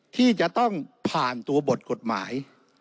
ที่จะต้องผ่านตัวบทกฎหมาย